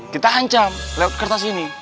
kita ancam lewat kertas ini